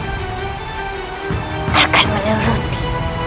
aku akan menuruti